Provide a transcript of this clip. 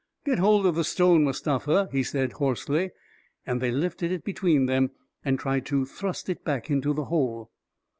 "Get hold of the stone, Mustafa," he said, hoarsely, and they lifted it between them and tried to thrust it back into the hole.